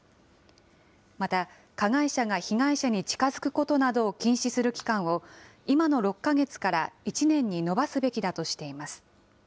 また、加害者が被害者に近づくことなどを禁止する期間を、今の６か月から１年に延ばすべきだとしています。